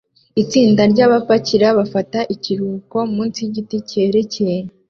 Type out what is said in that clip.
Itsinda ryabapakira bafata ikiruhuko munsi yigiti cyegereye